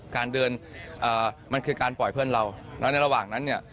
การเดินมันคือการปล่อยเพื่อนเราแล้วในระหว่างนั้นเนี่ย